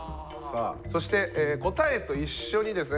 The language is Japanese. そして答えと一緒にですね